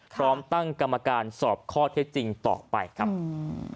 พร้อมตั้งกรรมการสอบข้อเท็จจริงต่อไปครับอืม